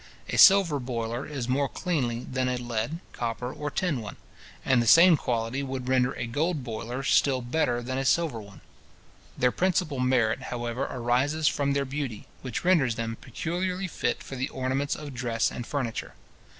A silver boiler is more cleanly than a lead, copper, or tin one; and the same quality would render a gold boiler still better than a silver one. Their principal merit, however, arises from their beauty, which renders them peculiarly fit for the ornaments of dress and furniture.